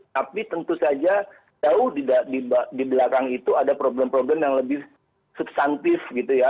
tapi tentu saja jauh di belakang itu ada problem problem yang lebih substantif gitu ya